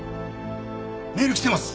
メール来てます！